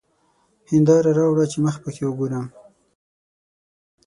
هېنداره راوړه چي مخ پکښې وګورم!